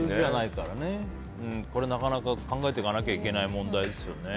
これはなかなか考えていかないといけない問題ですよね。